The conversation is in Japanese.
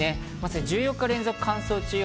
１４日連続、乾燥注意報。